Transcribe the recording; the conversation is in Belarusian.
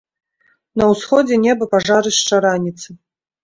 На ўсходзе неба пажарышча раніцы.